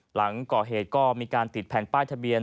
หลังก่อเหตุก็มีการติดแผ่นป้ายทะเบียน